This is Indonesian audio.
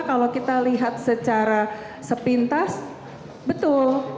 kalau kita lihat secara sepintas betul